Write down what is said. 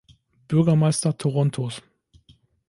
Bürgermeister Torontos.